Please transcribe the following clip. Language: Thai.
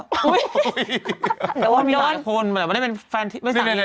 เดี๋ยวเอาให้มีหลายคนมันไม่ได้ไปสามีห้าพิภนะ